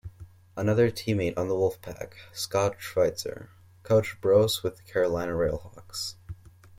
Another teammate on the Wolfpack, Scott Schweitzer, coached Brose with the Carolina RailHawks.